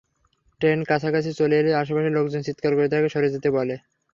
Train কাছাকাছি চলে এলে আশপাশের লোকজন চিৎকার করে তাঁকে সরে যেতে বলে।